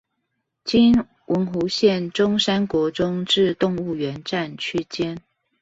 今文湖線中山國中至動物園站區間